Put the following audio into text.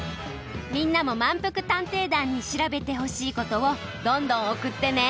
みんなもまんぷく探偵団に調べてほしいことをどんどんおくってね！